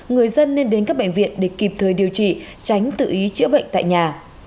người dân nên đến các bệnh viện để kịp thời điều trị tránh tự ý chữa bệnh tại nhà